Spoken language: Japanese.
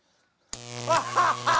あっ！